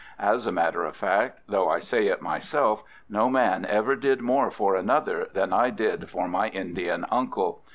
As a matter of fact, though I say it myself, no man ever did more for another than I did for my Indian uncle.